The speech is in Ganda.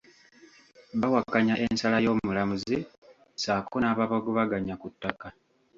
Bawakanya ensala y’omulamuzi ssaako n’ababagobanya ku ttaka